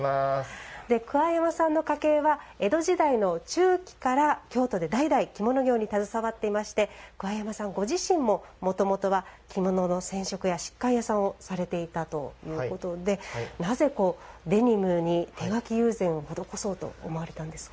桑山さんの家系は江戸時代の中期から、京都で代々着物業に携わっていまして桑山さんご自身も、もともとは着物の染色や悉皆屋さんをされていたということでなぜデニムに手描き友禅を施そうと思われたんですか。